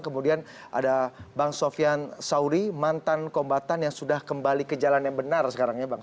kemudian ada bang sofian sauri mantan kombatan yang sudah kembali ke jalan yang benar sekarang ya bang